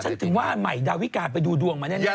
อ๋อฉันถึงว่าใหม่ดาววิการไปดูดวงมันได้เลย